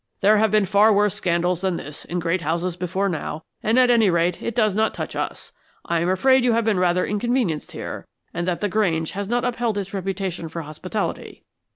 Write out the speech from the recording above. "There have been far worse scandals than this in great houses before now; and, at any rate, it does not touch us. I am afraid you have been rather inconvenienced here, and that the Grange has not upheld its reputation for hospitality.